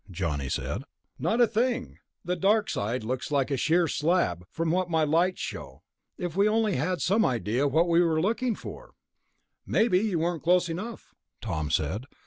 Johnny said. "Not a thing. The dark side looks like a sheer slab, from what my lights show. If we only had some idea what we were looking for...." "Maybe you weren't close enough," Tom said.